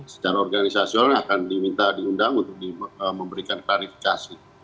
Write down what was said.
secara organisasional akan diminta diundang untuk memberikan klarifikasi